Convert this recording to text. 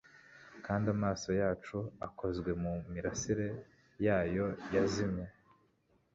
Kandi amaso yacu akozwe mumirase yayo yazimye